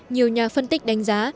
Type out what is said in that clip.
nhiều nhà phân tích đánh giá